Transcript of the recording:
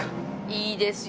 いいですよ。